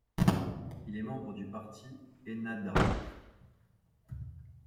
Il est membre du parti Ennahdha.